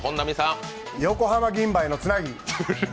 横浜銀蠅のつなぎ。